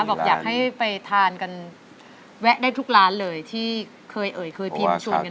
บอกอยากให้ไปทานกันแวะได้ทุกร้านเลยที่เคยเอ่ยเคยพิมพ์ชวนกัน